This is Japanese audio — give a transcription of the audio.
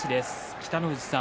北の富士さん